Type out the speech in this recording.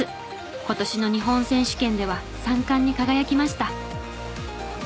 今年の日本選手権では３冠に輝きました。